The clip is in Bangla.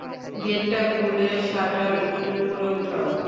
গেটটা খুলে শাটার একটু উপরে উঠাও।